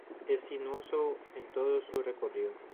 Es sinuoso en todo su recorrido.